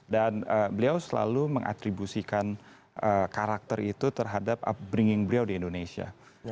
dan beliau selalu mengatribusikan karakter itu terhadap upbringing beliau di indonesia